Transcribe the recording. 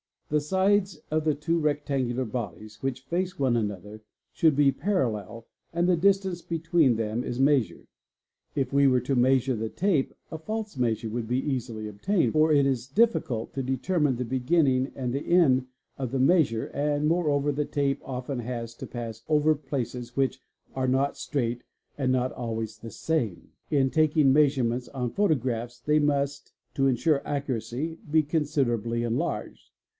the sides of the two rectangular bodies which face one another should be parallel and the distance between them is measured ; 1f we were to measure with the tape a false © measure would be easily obtained, for it is difficult to determine the — beginning and the end of the measure and moreover the tape often has to pass over places which are not straight and not always the same. In ~ taking measurements on photographs, they must, to ensure accuracy, , considerably enlarged.